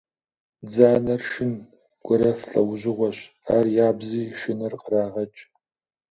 Бдзанэр шын, гуэрэф лӏэужьыгъуэщ, ар ябзри шыныр кърагъэкӏ.